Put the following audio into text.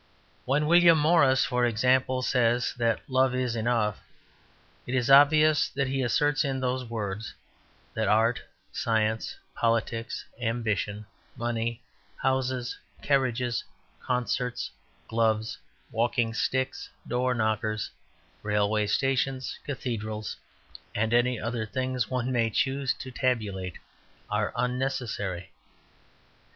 When William Morris, for example, says that 'love is enough,' it is obvious that he asserts in those words that art, science, politics, ambition, money, houses, carriages, concerts, gloves, walking sticks, door knockers, railway stations, cathedrals and any other things one may choose to tabulate are unnecessary.